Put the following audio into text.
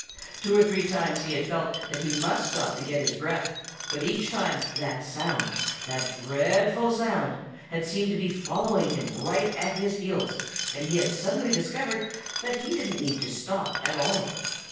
Two or three times he had felt that he must stop to get his breath, but each time that sound, that dreadful sound, had seemed to be following right at his heels, and he had suddenly discovered that he didn't need to stop after all.